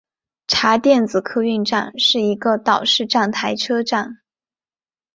茶店子客运站是一个岛式站台车站。